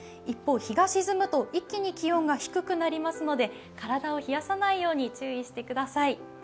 一方、日が沈むと一気に気温が低くなりますので体を冷やさないように注意してください。